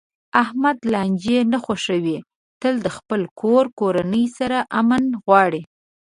احمد لانجې نه خوښوي، تل د خپل کور کورنۍ د سر امن غواړي.